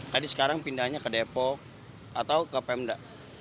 jadi sekarang pindahnya ke depok atau ke pemda